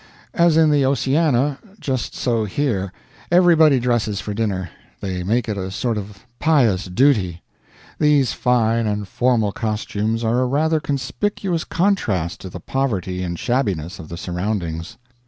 As in the 'Oceana', just so here: everybody dresses for dinner; they make it a sort of pious duty. These fine and formal costumes are a rather conspicuous contrast to the poverty and shabbiness of the surroundings